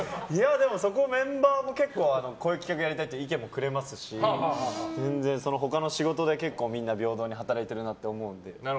でも、そこはメンバーもこういう企画やりたいって意見もくれますし全然、他の仕事で結構みんな平等に働いてると思うので。